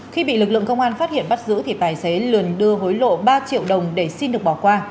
khi bị lực lượng công an phát hiện bắt giữ thì tài xế liền đưa hối lộ ba triệu đồng để xin được bỏ qua